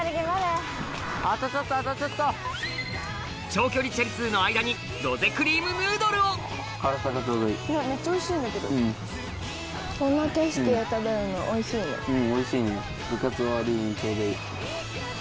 長距離チャリ通の間にロゼクリームヌードルをうんおいしいね。